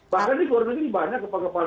bahkan di luar negeri banyak kepala kepala